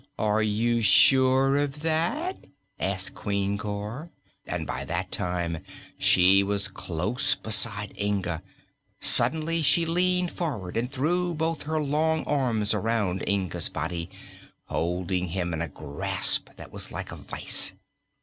"Are you sure of that?" asked Queen Cor, and by that time she was close beside Inga. Suddenly she leaned forward and threw both of her long arms around Inga's body, holding him in a grasp that was like a vise.